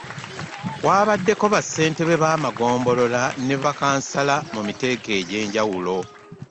Kwabaddeko bassentebe b'amagombolola ne bakkansala ku miteeko egy'enjawulo.